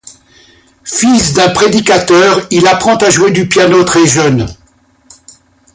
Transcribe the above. Fils d'un prédicateur, il apprend à jouer du piano très jeune.